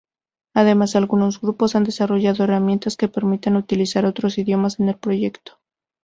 Además algunos grupos han desarrollado herramientas que permiten utilizar otros idiomas con el proyecto.